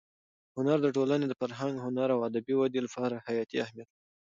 هنر د ټولنې د فرهنګ، هنر او ادبي ودې لپاره حیاتي اهمیت لري.